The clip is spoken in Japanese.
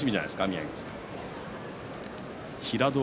宮城野さん。